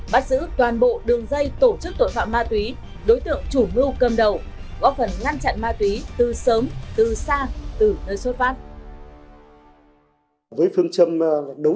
bắt giữ toàn bộ đường dây tổ chức tội phạm ma túy đối tượng chủ mưu cầm đầu